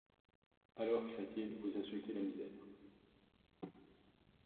Alors, cria-t-il, vous insultez la misère.